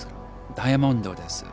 ダイヤモンドです。